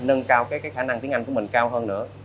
nâng cao cái khả năng tiếng anh của mình cao hơn nữa